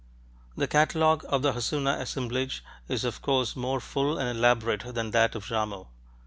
The catalogue of the Hassuna assemblage is of course more full and elaborate than that of Jarmo.